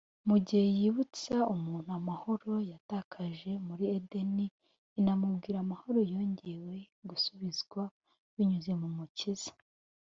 mu gihe yibutsa umuntu amahoro yatakaje yo muri edeni, inamubwira amahoro yongeye gusubizwa binyuze mu mukiza